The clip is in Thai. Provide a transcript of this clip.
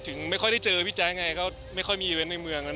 ไม่ค่อยได้เจอพี่แจ๊คไงก็ไม่ค่อยมีอีเวนต์ในเมือง